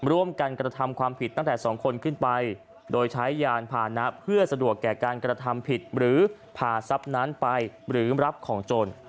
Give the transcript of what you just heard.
ร่วมกันกระทำความผิดตั้งแต่๒คนขึ้นไปโดยใช้ยานพานะเพื่อสะดวกแก่การกระทำผิดหรือพาทรัพย์นั้นไปหรือรับของโจร